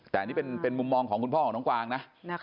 แต่อันนี้เป็นมุมมองของคุณพ่อของน้องกวางนะ